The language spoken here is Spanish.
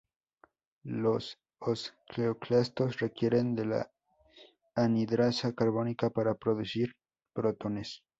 Los osteoclastos requieren de la anhidrasa carbónica para producir protones.